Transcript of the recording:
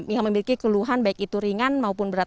yang memiliki keluhan baik itu ringan maupun berat